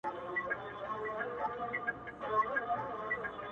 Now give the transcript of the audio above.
لښکر به څنگه بری راوړي له دې جنگه څخه _